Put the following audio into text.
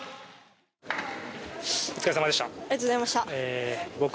お疲れさまでした。